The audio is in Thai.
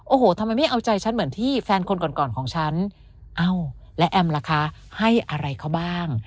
โอ้โหทำไมไม่เอาใจฉันเหมือนที่แฟนคนก่อนก่อนของฉันเอ้าและแอมล่ะคะให้อะไรเขาบ้าง